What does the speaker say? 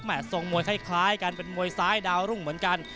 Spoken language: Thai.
ทรงมวยคล้ายกันเป็นมวยซ้ายดาวรุ่งเหมือนกัน